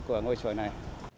của ngôi trời này